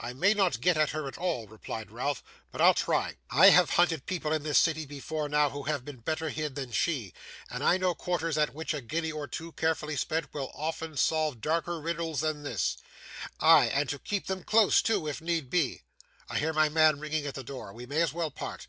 'I may not get at her at all,' replied Ralph, 'but I'll try. I have hunted people in this city, before now, who have been better hid than she; and I know quarters in which a guinea or two, carefully spent, will often solve darker riddles than this. Ay, and keep them close too, if need be! I hear my man ringing at the door. We may as well part.